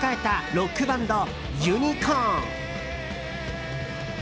ロックバンド、ユニコーン。